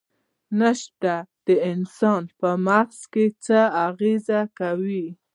نشې د انسان په مغز څه اغیزه کوي؟